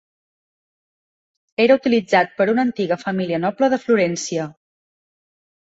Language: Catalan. Era utilitzat per una antiga família noble de Florència.